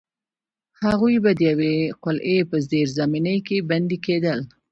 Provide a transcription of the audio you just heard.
هغوی به د یوې قلعې په زیرزمینۍ کې بندي کېدل.